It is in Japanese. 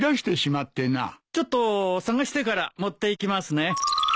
ちょっと捜してから持っていきますね。